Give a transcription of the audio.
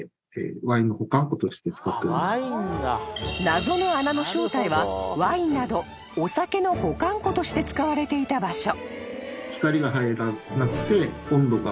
［謎の穴の正体はワインなどお酒の保管庫として使われていた場所］